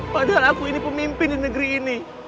padahal aku ini pemimpin di negeri ini